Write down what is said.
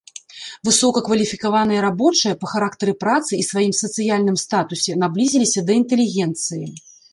Высокакваліфікаваныя рабочыя па характары працы і сваім сацыяльным статусе наблізіліся да інтэлігенцыі.